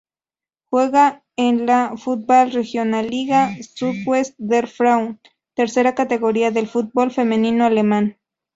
Juega en la Fußball-Regionalliga Südwest der Frauen, tercera categoría del fútbol femenino alemán.